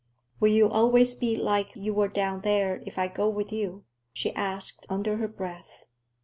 "Will you always be like you were down there, if I go with you?" she asked under her breath.